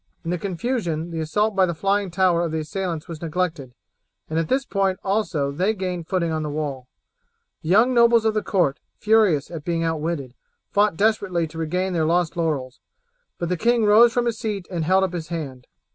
In the confusion the assault by the flying tower of the assailants was neglected, and at this point also they gained footing on the wall. The young nobles of the court, furious at being outwitted, fought desperately to regain their lost laurels. But the king rose from his seat and held up his hand.